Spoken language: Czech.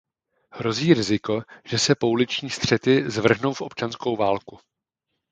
Hrozí riziko, že se pouliční střety zvrhnou v občanskou válku.